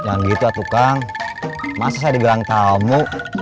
jangan gitu atukang masa saya digelang tamu